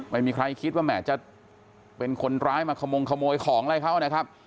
ไม่มีใครคิดว่าแหมจะเป็นคนร้ายมาขมงขโมยของอะไรเขานะครับ